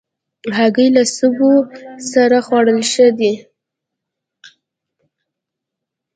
هګۍ له سبو سره خوړل ښه دي.